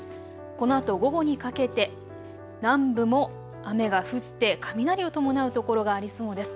このあと午後にかけて南部も雨が降って雷を伴う所がありそうです。